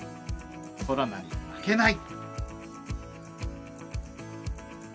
コロナに負けない。